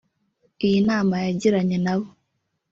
Iyi nama yagiranye nabo